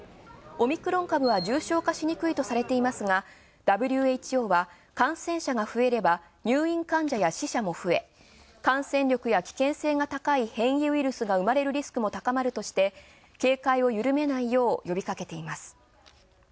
オミクロン株は重症化しにくいととされていますが、ＷＨＯは感染者が増えれば、入院患者や死者も増え、感染力が高い変異ウイルスが生まれるリスクも高まるとして警戒を緩めないよう呼びかけています。